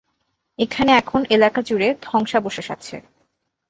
এখানে এখন এলাকা জুড়ে ধ্বংসাবশেষ আছে।